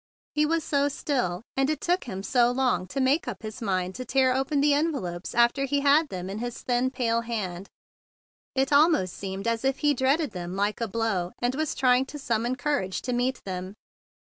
He was so still, and it took him so long to make up his mind to tear open the envelopes after he had them in his thin white hand. It almost seemed as if he dreaded them like a blow, and was trying to summon cour¬ age to meet them.